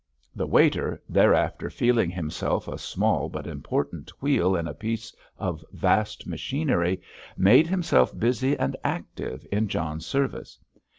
The waiter, thereafter feeling himself a small but important wheel in a piece of vast machinery, made himself busy and active in John's service.